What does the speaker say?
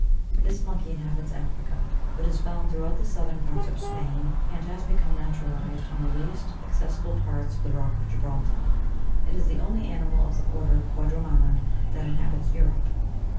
This monkey inhabits Africa; but is found throughout the southern parts of Spain, and has become naturalized on the least accessi ble parts of the Rock of Gibraltar. It is the only animal of the order quadrumana that inhabits Europe.